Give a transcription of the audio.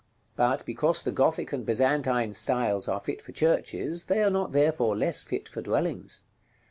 But because the Gothic and Byzantine styles are fit for churches they are not therefore less fit for dwellings.